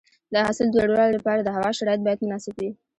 د حاصل د لوړوالي لپاره د هوا شرایط باید مناسب وي.